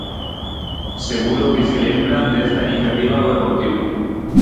Seguro que se lembran desta iniciativa do Deportivo.